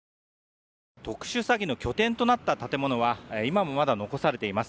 特殊詐欺の拠点となった建物は今もまだ残されています。